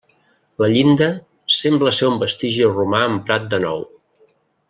La llinda sembla ser un vestigi romà emprat de nou.